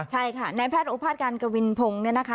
ใช่ค่ะในแพทย์โอภาษการกวินพงศ์